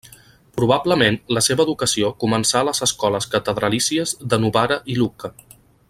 Probablement, la seva educació començà a les escoles catedralícies de Novara i Lucca.